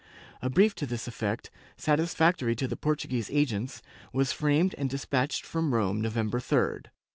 A brief to this effect, satisfactory to the Portuguese agents, was framed and despatched from Rome November 3d.